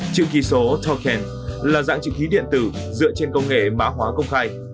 chữ ký số token là dạng chữ ký điện tử dựa trên công nghệ mã hóa công khai